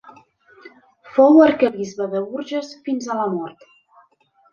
Fou arquebisbe de Bourges fins a la mort.